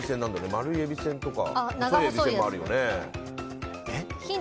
丸いえびせんとか細いえびせんもあるよね。